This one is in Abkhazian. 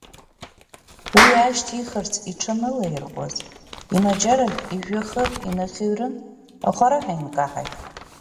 Уи аашьҭихырц иҽанылаирҟәуаз, имаџьаражә ижәҩахыр инахьыҩрын ахәараҳәа инкаҳаит.